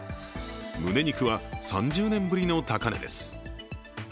むね肉は３０年ぶりの高値です。